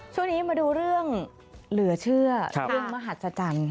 ช่วงนี้มาดูเรื่องเหลือเชื่อเรื่องมหัศจรรย์